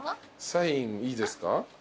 サインいいですか？